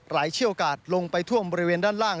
เชี่ยวกาดลงไปท่วมบริเวณด้านล่าง